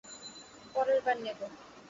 পরের বার নেবো।